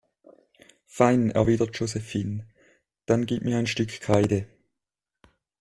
Fein, erwidert Josephine, dann gib mir ein Stück Kreide.